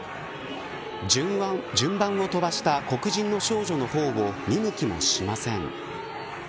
順番を飛ばした黒人の少女の方を見向きもしません。